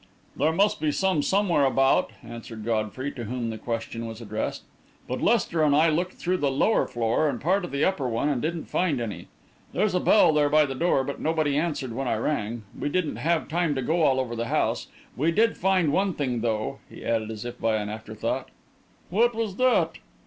"There must be some somewhere about," answered Godfrey, to whom the question was addressed; "but Lester and I looked through the lower floor and part of the upper one and didn't find any. There's a bell there by the door, but nobody answered when I rang. We didn't have time to go all over the house. We did find one thing, though," he added, as if by an afterthought. "What was that?"